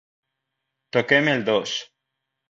Toquem el dos